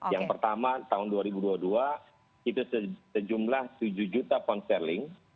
yang pertama tahun dua ribu dua puluh dua itu sejumlah tujuh juta pound sterling